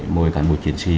mỗi cả một chiến sĩ